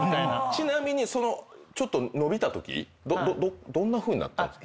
ちなみにそのちょっと伸びたときどんなふうになったんですか？